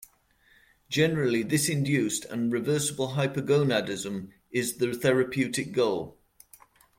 Generally this induced and reversible hypogonadism is the therapeutic goal.